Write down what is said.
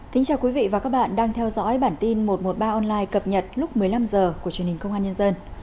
kính chào quý vị và các bạn đang theo dõi bản tin một trăm một mươi ba online cập nhật lúc một mươi năm h của truyền hình công an nhân dân